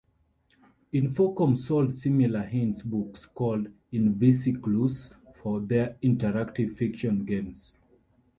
Infocom sold similar hint books called "invisiclues" for their interactive fiction games.